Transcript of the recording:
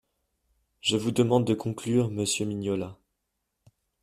Je vous demande de conclure, monsieur Mignola.